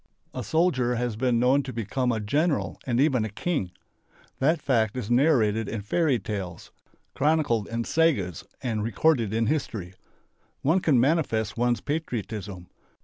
A soldier has been known to become a general and even a king. That fact is narrated in fairy tales, chronicled in sagas and recorded in history. One can manifest one's patriotism.